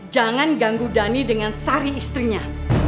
jangan ganggu dhani dengan sari istrinya